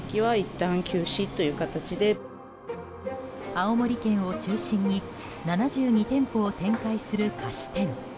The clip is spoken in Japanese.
青森県を中心に７２店舗を展開する菓子店。